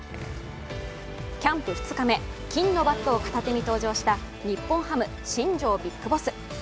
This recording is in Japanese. キャンプ２日目、金のバットを片手に登場した日本ハム・新庄ビッグボス。